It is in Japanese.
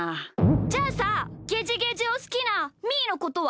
じゃあさゲジゲジをすきなみーのことは？